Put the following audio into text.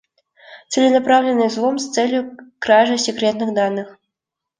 Целенаправленный взлом с целью кражи секретных данных